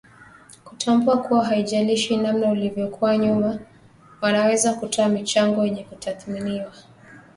kutambua kuwa haijalishi namna ulivyokuwa nyuma wanaweza kutoa michango yenye kuthaminiwa